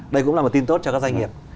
đây cũng là một tin tốt cho các doanh nghiệp